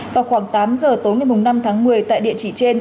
vào khoảng tám giờ tối ngày năm tháng một mươi tại địa chỉ trên